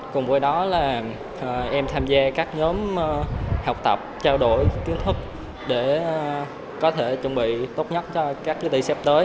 cùng với đó là em tham gia các nhóm học tập trao đổi kiến thức để có thể chuẩn bị tốt nhất cho các kỳ thi sắp tới